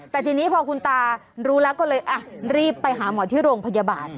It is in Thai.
แต่ทีนี้พอคุณตารู้แล้วก็เลยรีบไปหาหมอที่โรงพยาบาล